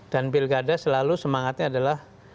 dan pilkada selalu semangatnya adalah